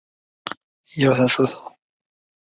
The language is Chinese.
苗栗丽花介为粗面介科丽花介属下的一个种。